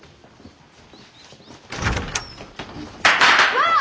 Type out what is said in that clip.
わあ！